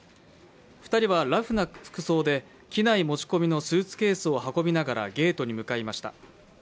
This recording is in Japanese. ２人はラフな服装で機内持ち込みのスーツケースを運びながらゲートに向かいました。